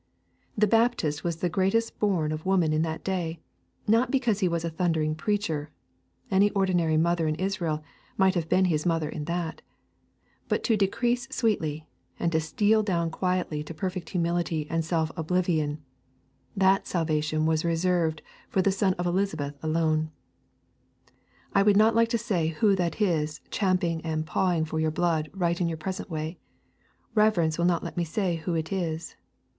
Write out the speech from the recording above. The Baptist was the greatest born of woman in that day, not because he was a thundering preacher any ordinary mother in Israel might have been his mother in that: but to decrease sweetly and to steal down quietly to perfect humility and self oblivion, that salvation was reserved for the son of Elisabeth alone. I would not like to say Who that is champing and pawing for your blood right in your present way. Reverence will not let me say Who it is.